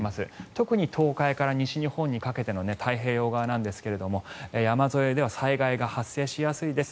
特に東海から西日本にかけての太平洋側なんですが山沿いでは災害が発生しやすいです。